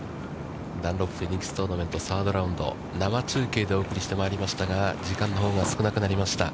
ダンロップフェニックストーナメントサードラウンド、生中継でお送りしてまいりましたが、時間のほうが少なくなりました。